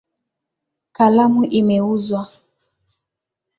Kalamu imeuzwa.